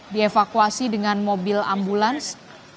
dievakuasi dengan mobil ambulans